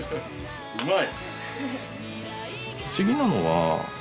うまい！